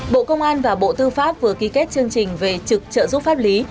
bộ công an và bộ tư pháp vừa ký kết chương trình về trực trợ giúp pháp lý